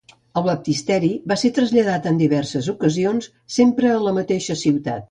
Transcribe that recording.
El baptisteri va ser traslladat en diverses ocasions, sempre a la mateixa ciutat.